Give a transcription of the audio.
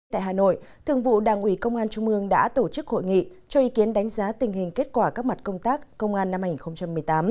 tại hà nội thường vụ đảng ủy công an trung ương đã tổ chức hội nghị cho ý kiến đánh giá tình hình kết quả các mặt công tác công an năm hai nghìn một mươi tám